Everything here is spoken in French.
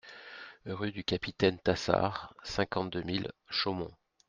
Rue du Capitaine Tassard, cinquante-deux mille Chaumont